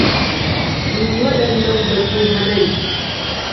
Dubi waɗannan baƙin hadarii.